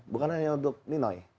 bukan hanya untuk ninoi